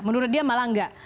menurut dia malah enggak